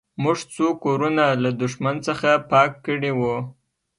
موږ څو کورونه له دښمن څخه پاک کړي وو